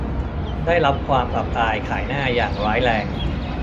ได้รับความอับอายขายหน้าอย่างร้ายแรง